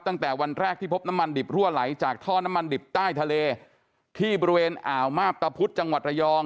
ตั้งแต่วันแรกที่พบน้ำมันดิบรั่วไหลจากท่อน้ำมันดิบใต้ทะเลที่บริเวณอ่าวมาบตะพุธจังหวัดระยอง